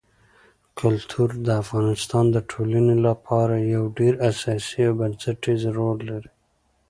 کلتور د افغانستان د ټولنې لپاره یو ډېر اساسي او بنسټيز رول لري.